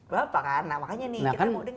bapak karena makanya nih kita mau dengar